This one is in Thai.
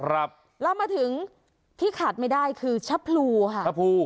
เรามาถึงที่ขาดไม่ได้คือชะพลูค่ะชะพรู